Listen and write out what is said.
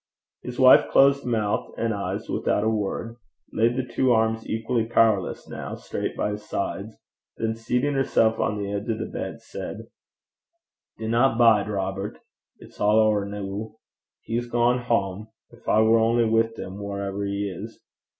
His wife closed mouth and eyes without a word, laid the two arms, equally powerless now, straight by his sides, then seating herself on the edge of the bed, said, 'Dinna bide, Robert. It's a' ower noo. He's gang hame. Gin I war only wi' 'im wharever he is!'